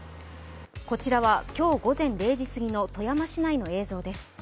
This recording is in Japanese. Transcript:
こちらは、今日午前０時すぎの富山市内の映像です。